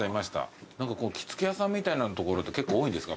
着付け屋さんみたいなところって結構多いんですか？